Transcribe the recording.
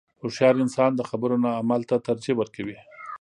• هوښیار انسان د خبرو نه عمل ته ترجیح ورکوي.